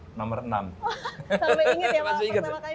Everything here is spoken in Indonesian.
sampai ingat ya pertama kali nomor enam